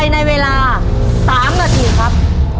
๓นาทีครับ